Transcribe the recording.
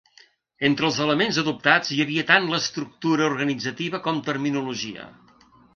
Entre els elements adoptats hi havia tant estructura organitzativa com terminologia.